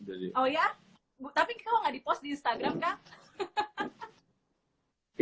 oh ya tapi kamu enggak di post di instagram kang